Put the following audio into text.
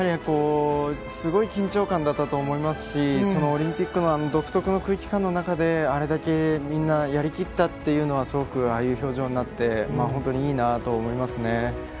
すごい緊張感だったと思いますしオリンピックの独特の空気感の中であれだけ、みんなやりきったっていうのはすごくああいう表情になって本当にいいなと思いますね。